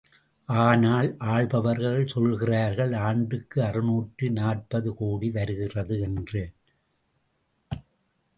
ஆனால், ஆள்பவர் சொல்கிறார்கள், ஆண்டுக்கு அறுநூற்று நாற்பது கோடி வருகிறது என்று!